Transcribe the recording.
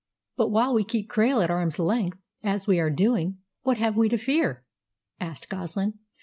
"But while we keep Krail at arm's length, as we are doing, what have we to fear?" asked Goslin.